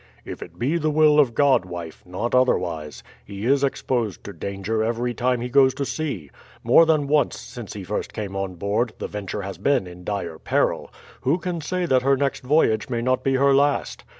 "If it be the will of God, wife, not otherwise. He is exposed to danger every time he goes to sea. More than once since he first came on board, the Venture has been in dire peril; who can say that her next voyage may not be her last.